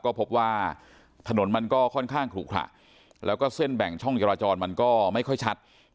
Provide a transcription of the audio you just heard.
ก็พบว่าถนนมันก็ค่อนข้างขลุขระแล้วก็เส้นแบ่งช่องจราจรมันก็ไม่ค่อยชัด